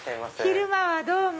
昼間はどうも！